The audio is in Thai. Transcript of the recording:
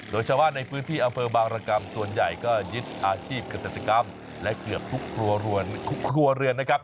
โดยเฉพาะในพื้นที่อเฟิร์นบางรกรรมส่วนใหญ่ก็ยิดอาชีพกษัตริกรรมและเกือบทุกครัวเรือนครับ